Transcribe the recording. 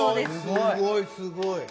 すごいすごい！